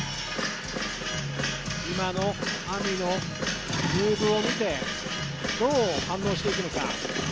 今のＡＭＩのムーブを見てどう反応していくのか。